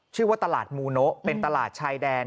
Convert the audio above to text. ชื่อว่าตลาดมูโนะเป็นตลาดชายแดน